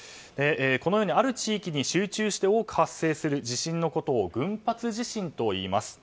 このように、ある地域に集中して多く発生する地震のことを群発地震といいます。